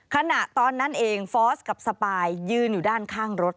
ขณะตอนนั้นเองฟอร์สกับสปายยืนอยู่ด้านข้างรถ